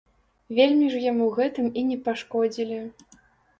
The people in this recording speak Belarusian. Вельмі ж яму гэтым і не пашкодзілі.